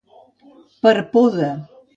Per por de.